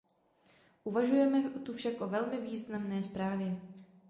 Uvažujeme tu však o velmi významné zprávě.